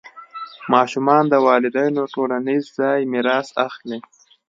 ماشومان د والدینو ټولنیز ځای میراث اخلي.